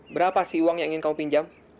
berapa sih uang yang ingin kamu pinjam